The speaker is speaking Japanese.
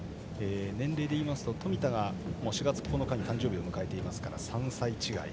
年齢で言いますと冨田が４月９日に誕生日を迎えているので３歳違い。